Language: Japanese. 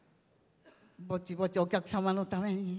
ぼちぼち、お客様のために。